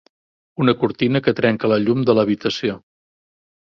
Una cortina que trenca la llum de l'habitació.